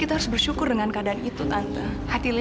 jika ada pembenuhan kekuasaan yang menyebabkan kekuasaan adam ordinary